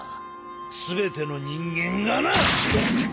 全ての人間がな！ぐっ！